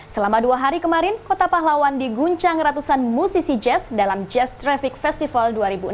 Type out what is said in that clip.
selama dua hari kemarin kota pahlawan diguncang ratusan musisi jazz dalam jazz traffic festival dua ribu enam belas